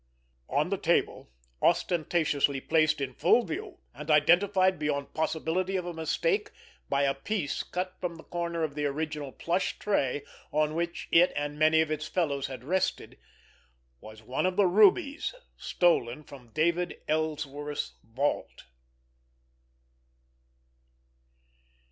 On the table, ostentatiously placed in full view, and identified beyond possibility of mistake by a piece cut from the corner of the original plush tray on which it and many of its fellows had rested, was one of the rubies stolen from David Ellsworth's vault!